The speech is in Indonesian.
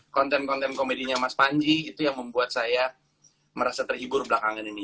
konten konten komedinya mas panji itu yang membuat saya merasa terhibur belakangan ini